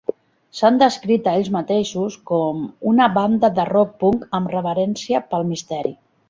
S'han descrit a ells mateixos com ... una banda de rock punk amb reverència pel misteri.